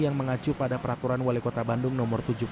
yang mengacu pada peraturan wali kota bandung no tujuh puluh